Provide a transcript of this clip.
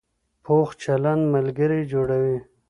پوخ چلند ملګري جوړوي